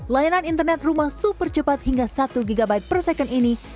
layanan internet rumah super cepat hingga satu gb per second ini